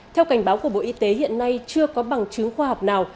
theo cảnh báo của bộ y tế hiện nay chưa có bằng chứng khoa học nào